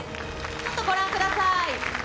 ちょっとご覧ください。